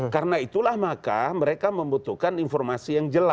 karena itulah maka mereka membutuhkan informasi yang jelas